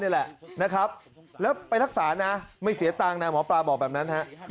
แล้วไปรักษานะไม่เสียตังค์นะหมอปลาบอกแบบนั้นครับ